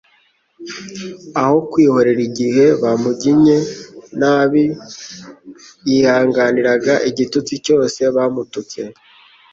Aho kwihorera igihe bamuginye nabi, yihanganiraga igitutsi cyose bamututse.